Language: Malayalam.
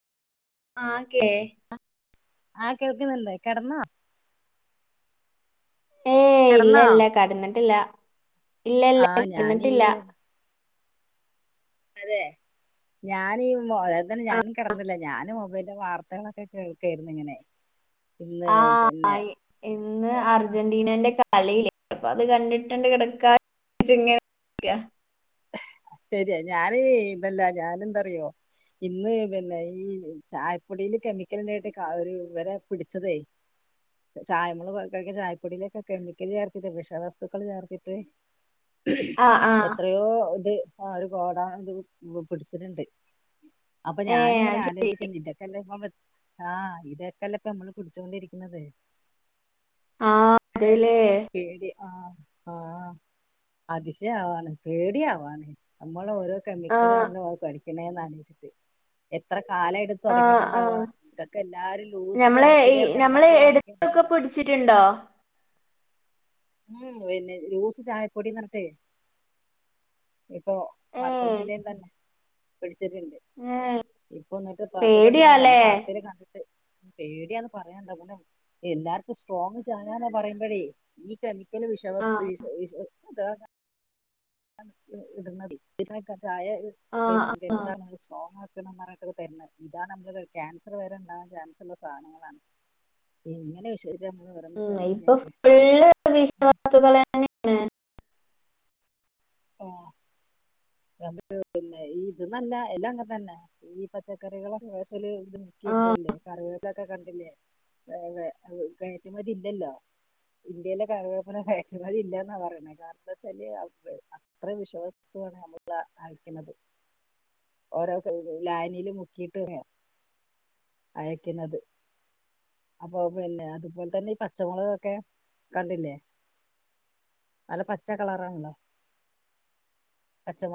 ആ ക്കെ ആ കേൾക്ക്ന്ന്ണ്ട് കെടന്നോ ഏയ് കിടന്നോ ഇല്ലല്ല കട്ന്നിട്ടില്ല ഇല്ലല്ല ആഹ് ഞാനീ കട്ന്നിട്ടില്ല അതേ ഞാന് ഈ മൊ ഞാനും കെട്ന്നില്ല ഞാനും മൊബൈൽല് വാർത്തകളൊക്കെ കേൾക്കായിരുന്നു ഇങ്ങനെ ഇന്ന് ആ പിന്നെ ഇ ഇന്ന് അർജൻ്റീനൻ്റെ ക കളിയില്ലേ അപ്പത് കണ്ടിട്ടണ്ട് കെടക്കാനച്ച് ഇങ്ങനെ ശെരിയാ ഞാനിതല്ല ഞാനന്താറിയോ ഇന്ന് പിന്നെ ഈ ചായപ്പൊടില് കെമിക്കലിണ്ടായിട്ട് ഇവരെ പിടിച്ചതേ ചായ നമ്മള് കഴിക്കണ ചായപ്പൊടിയിലൊക്കെ കെമിക്കൽ ചേർത്തിട്ട് വിഷവസ്തുക്കൾ ചേർത്തിട്ട് അഹ് ആഹ് എത്രയോ ഇത് ആ ഒരുപാടാള ഇത് പിടിച്ചിട്ടണ്ട് അപ്പൊ ഏഹ് ഞാനിങ്ങനെ അത് ശരി ആലോചിക്കന്ന് ഇതാക്കല്ല ആ ഇതെക്കെല്ലെ ഇപ്പം നമ്മള് കുടിച്ചോണ്ടിരിക്ക്‌ണത് ആഹ് അങ്ങനരു അതേല്ലേ പേടി അഹ് ആഹ് അതിശയണ് പേടിയവാണ് മ്മളോരോ കെമിക്കല് ആഹ് കഴിക്കാണത് ആലോചിച്ചിട്ട് എത്രകാലായി ആഹ് ആഹ് തെടങ്ങയിട്ടുണ്ടാവാ ഇതൊക്കെ എല്ലാരും ലൂസ് ചായപ്പൊടിന്ന്റഞ്ഞ് ഞമ്മളൊക്കെ വാങ്ങി ച്ചിട്ടുണ്ടോ ഉം പിന്നെ ലൂസ്ചായപ്പൊടിന്നറഞ്ഞട്ടേ ഇപ്പൊ മലപ്പുറം ഏഹ് ജില്ലേതന്നെ പിടിച്ചിട്ടുണ്ട് ഏഹ് ഇപ്പൊന്നിട്ട് [unintelligible] പേടിയാല്ലേ വാർത്തേല് കണ്ടിട്ടണ്ട് പേടിയന്ന് പറയാനന്നേ എല്ലാർക്കും സ്ട്രോങ് ചായന്നെ പറയുമ്പഴേ ഈ കെമിക്കല് വിഷവസ്തു ആഹ് വി വി അത ഇടുന്നത് ഇതൊക്ക ചായേ ആഹ് ആഹ് സ്ട്രോങ് ആക്കണന്ന് പറഞ്ഞട്ടൊക്കെ തരുന്നത് ഇതാണ് നമ്മള് ക്യാൻസർ വരെണ്ടാകാൻ ചാൻസുള്ള സാധനങ്ങളാണ് എങ്ങനെ വിശ്വ ഉം ഇപ്പൊ ഫുള്ള് വിഷവസ്തുക്കളെന്നെ ഓഹ് അത് പിന്നെ ഈ ഇതെന്നല്ല എല്ലാം അങ്ങൻതെന്നേ ഈ പച്ചക്കറികള് [inaudible] ആഹ് നോക്കിട്ടൂല്ലേ സർവേലൊക്കെ കണ്ടില്ലേ കയറ്റുമതില്ലല്ലോ. ഇന്ത്യലെ കറിവേപ്പില കയറ്റ്മതില്ല്യാന്നാറയണേ കാരണെന്താച്ചാല് അത്ര വിശവസ്തു ആണ് അതില് അഡിക്ക്ന്നത്. ഓരോ ലായനീലും മുക്കീട്ട് അയക്ക്ന്നത്. അപ്പൊ പിന്നെ അത്പോൽത്തെന്നെ ഈ പച്ചമൊളകൊക്കെ കണ്ടില്ലേ? നല്ല പച്ച കളറാണ്ല്ലോ പച്ച